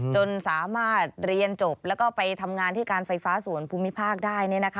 จนสามารถเรียนจบแล้วก็ไปทำงานที่การไฟฟ้าส่วนภูมิภาคได้